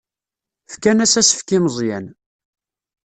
Fkan-as asefk i Meẓyan.